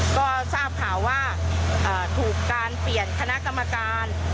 ก็ทราบข่าวว่าถูกการเปลี่ยนคณะกรรมการ